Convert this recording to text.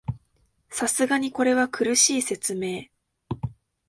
さすがにこれは苦しい説明